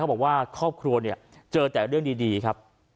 เขาบอกว่าครอบครัวเจอแต่เรื่องดีครับ